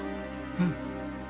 うん。